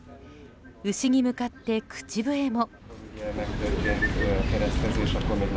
牛に向かって、口笛も。